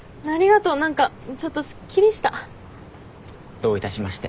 どういたしまして。